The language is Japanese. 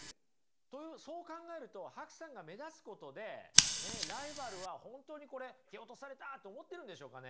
そう考えるとＨＡＫＵさんが目立つことでライバルは本当にこれ蹴落とされたって思ってるんでしょうかね？